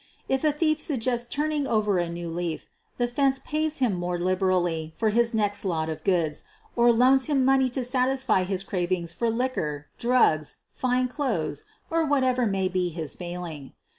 If a thief suggests "turn ing over a new leaf," the "fence" pays him more liberally for his next lot of goods, or loans him money to satisfy his craving for liquor, drugs, fine clothes, or whatever may be his failing.